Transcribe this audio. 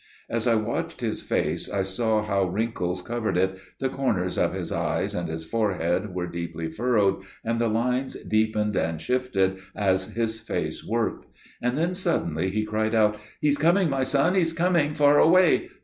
As I watched his face I saw how wrinkles covered it, the corners of his eyes and his forehead were deeply furrowed, and the lines deepened and shifted as his face worked. And then suddenly he cried out: "He is coming, my son, He is coming far away."